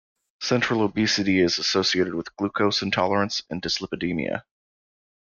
Central obesity is associated with glucose intolerance and dyslipidemia.